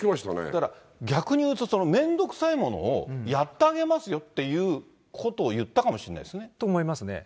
だから逆に言うとめんどくさいものをやってあげますよっていうことを言ったかもしれないですね。と思いますね。